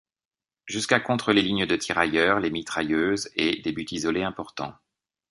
Jusqu'à contre les lignes de tirailleurs, les mitrailleuses et des buts isolés importants.